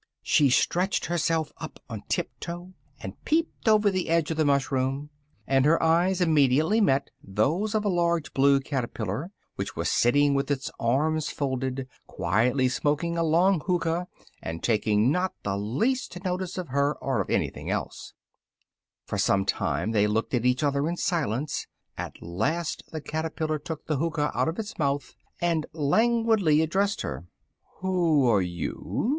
She stretched herself up on tiptoe, and peeped over the edge of the mushroom, and her eyes immediately met those of a large blue caterpillar, which was sitting with its arms folded, quietly smoking a long hookah, and taking not the least notice of her or of anything else. For some time they looked at each other in silence: at last the caterpillar took the hookah out of its mouth, and languidly addressed her. "Who are you?"